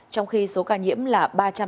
trong khi số ca nhiễm là ba trăm tám mươi tám